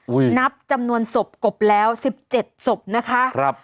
นับจำนวนศพกบแล้วสิบเจ็ดศพนะคะครับ